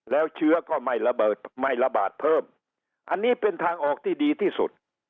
แล้วเชื้อก็ไม่ระเบิดไม่ระบาดเพิ่มอันนี้เป็นทางออกที่ดีที่สุด